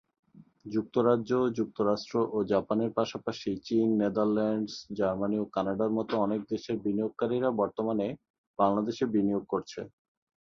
যুক্তরাজ্য, যুক্তরাষ্ট্র ও জাপানের পাশাপাশি চীন, নেদারল্যান্ডস, জার্মানি এবং কানাডার মত অনেক দেশের বিনিয়োগকারীরা বর্তমানে বাংলাদেশে বিনিয়োগ করছে।